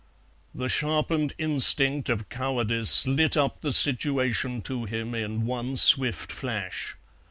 The sharpened instinct of cowardice lit up the situation to him in one swift flash.